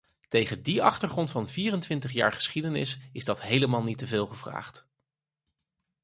Tegen die achtergrond van vierentwintig jaar geschiedenis is dat helemaal niet te veel gevraagd.